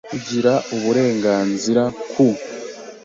Kugira Uburenganzira ku